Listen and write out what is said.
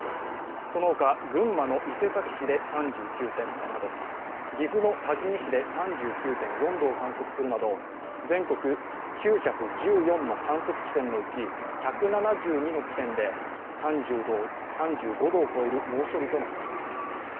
その他、群馬の伊勢崎市で３９．７度、岐阜の多治見市で３９．４度を観測するなど全国９１４の観測地点のうち１７２の地点で３５度を超える猛暑日となっています。